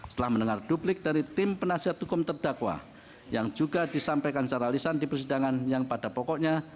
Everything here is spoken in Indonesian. setelah mendengar duplik dari tim penasihat hukum terdakwa yang juga disampaikan secara lisan di persidangan yang pada pokoknya